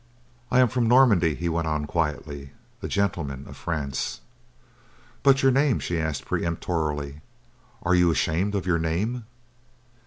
"I am from Normandy," he went on quietly. "A gentleman of France." "But your name?" she said peremptorily. "Are you ashamed of your name?"